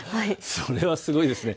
それはすごいですね。